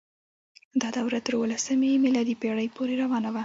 دا دوره تر اوولسمې میلادي پیړۍ پورې روانه وه.